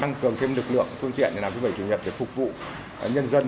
tăng cường thêm lực lượng phương tiện để làm thứ bảy chủ nhật để phục vụ nhân dân